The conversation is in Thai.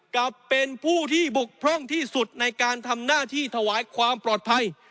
กลับเป็นผู้ที่บกพร่องที่สุดในการทำหน้าที่ถวายความปลอดภัย